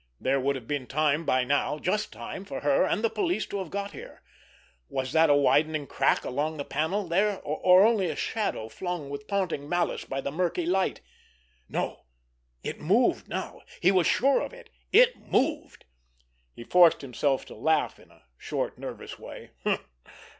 There would have been time by now, just time, for her and the police to have got here. Was that a widening crack along that panel there—or only a shadow flung with taunting malice by the murky light? No—it moved now! He was sure of it. It moved! He forced himself to laugh in a short, nervous way.